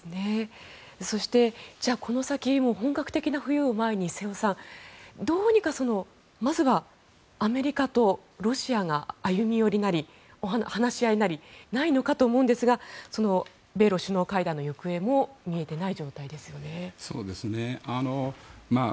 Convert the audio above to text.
そして、この先本格的な冬を前に瀬尾さん、どうにかまずはアメリカとロシアが歩み寄りなり話し合いなりないのかと思うんですが米ロ首脳会談の行方も見えていない状態ですよね。